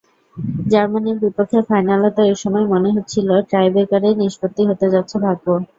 জার্মানির বিপক্ষে ফাইনালে তো একসময় মনে হচ্ছিল, টাইব্রেকারেই নিষ্পত্তি হতে যাচ্ছে ভাগ্য।